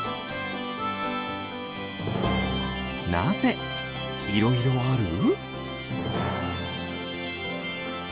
なぜいろいろある？